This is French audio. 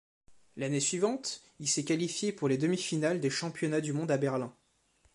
L'année suivante, il s'est qualifié pour les demi-finales des Championnats du monde à Berlin.